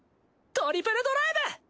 トリプルドライブ！